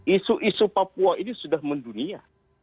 isu isu papua ini sudah mendunia